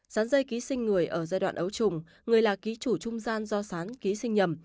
sán dây ký sinh người ở giai đoạn ấu trùng người là ký chủ trung gian do sán ký sinh nhầm